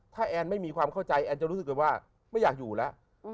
ถ้าแอนไม่มีความเข้าใจแอนจะรู้สึกว่าไม่อยากอยู่แล้ว